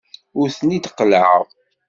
Ur ten-id-qellɛeɣ.